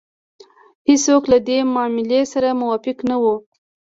هېڅوک له دې معاملې سره موافق نه وو.